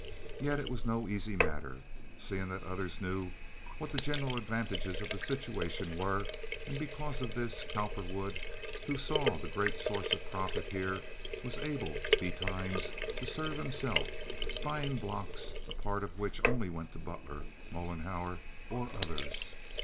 Yet it was no easy matter, seeing that others knew what the general advantages of the situation were, and because of this Cowperwood, who saw the great source of profit here, was able, betimes, to serve himself—buying blocks, a part of which only went to Butler, Mollenhauer or others.